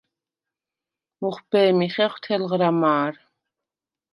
მუხვბე̄მი ხეხვ თელღრა მა̄რ.